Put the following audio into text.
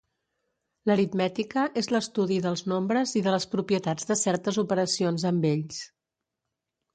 L'aritmètica és l'estudi dels nombres i de les propietats de certes operacions amb ells.